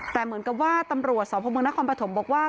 แต่เหมือนกับว่าตำรวจสพเมืองนครปฐมบอกว่า